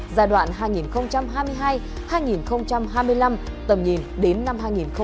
giai đoạn hai nghìn hai mươi hai hai nghìn hai mươi năm tầm nhìn đến năm hai nghìn ba mươi